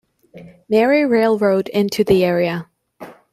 Marie Railroad into the area.